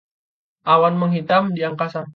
awan menghitam di angkasa